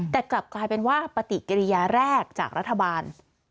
แต่กลับกลายเป็นว่าปฏิกิริยาแรกจากรัฐบาล